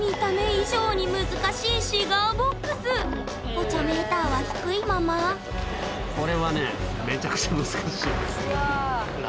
ポチャメーターは低いままこれはね